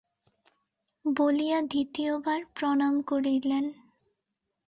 বলিয়া দ্বিতীয়বার প্রণাম করিলেন।